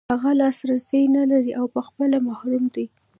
هغه لاسرسی نلري او په خپله محروم دی.